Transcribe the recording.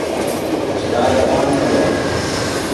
استاده، پام کوه.